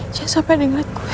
jangan sampai ada yang ngeliat gue